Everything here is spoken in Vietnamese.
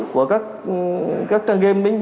của các trang game